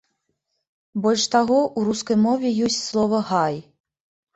Больш таго, у рускай мове ёсць слова гай.